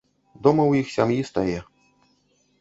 Дома ў іх сям'і стае.